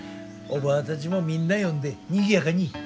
おばぁたちもみんな呼んでにぎやかに。